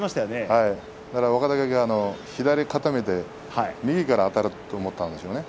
若隆景は左固めて右からあたろうと思ったんでしょうね。